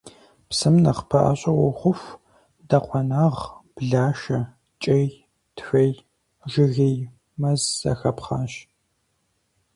Псым нэхъ пэӀэщӀэ ухъуху дыкъуэнагъ, блашэ, кӀей, тхуей, жыгей мэз зэхэпхъащ.